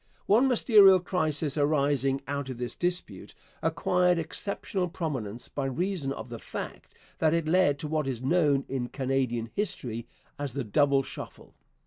One ministerial crisis arising out of this dispute acquired exceptional prominence by reason of the fact that it led to what is known in Canadian history as the 'Double Shuffle.'